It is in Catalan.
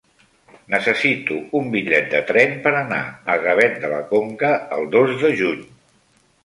Necessito un bitllet de tren per anar a Gavet de la Conca el dos de juny.